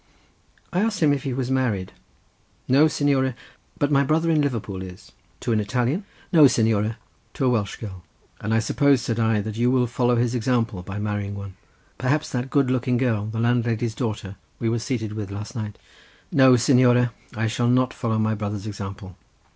I asked him if he was married. "No, signore; but my brother in Liverpool is." "To an Italian?" "No, signore; to a Welsh girl." "And I suppose," said I, "you will follow his example by marrying one; perhaps that good looking girl the landlady's daughter we were seated with last night?" "No, signore; I shall not follow my brother's example.